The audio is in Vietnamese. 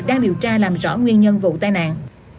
đang điều tra làm rõ nguyên nhân vụ tai nạn